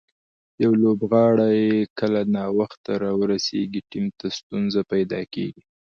یو لوبغاړی کله ناوخته راورسېږي، ټیم ته ستونزه پېدا کیږي.